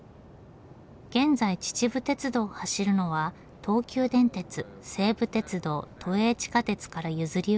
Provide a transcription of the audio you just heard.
現在秩父鉄道を走るのは東急電鉄西武鉄道都営地下鉄から譲り受けた車両。